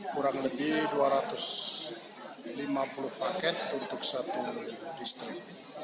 kurang lebih dua ratus lima puluh paket untuk satu distrik